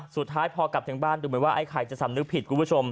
สุดท้ายพอกลับถึงบ้านดูเหมือนว่าไอ้ไข่จะสำนึกผิดคุณผู้ชม